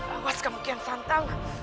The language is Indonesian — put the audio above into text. awas kemungkinan santang